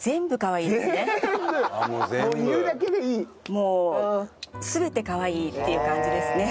もう全てかわいいっていう感じですね。